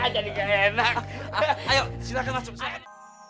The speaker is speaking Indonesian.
jadi kaya enak ayo silahkan masuk